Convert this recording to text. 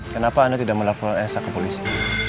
kenapa anda tidak melaporan elsa ke polisi